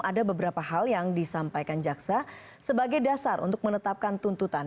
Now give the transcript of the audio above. ada beberapa hal yang disampaikan jaksa sebagai dasar untuk menetapkan tuntutan